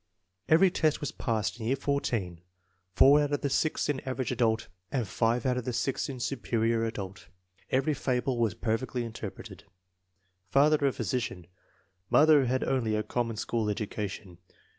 Every test was passed in year 14, four out of the six in Average Adult, and five out of the six in Superior Adult. Every fable was perfectly interpreted. Father a physician. Mother had only a common school education.